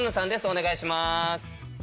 お願いします。